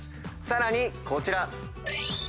さらにこちら。